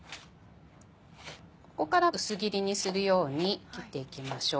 ここから薄切りにするように切っていきましょう。